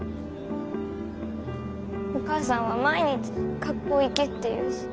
お母さんは毎日学校行けって言うし。